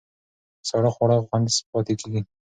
ساړه خواړه خوندي پاتې کېږي.